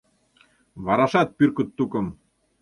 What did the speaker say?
Варашат пӱркыт тукым!